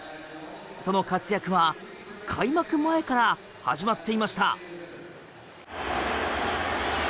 その活躍は開幕前から始まっていました。